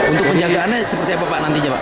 untuk penjagaannya seperti apa pak nantinya pak